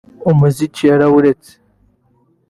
umuziki yarawuretse